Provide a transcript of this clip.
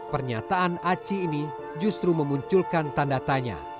pernyataan aci ini justru memunculkan tanda tanya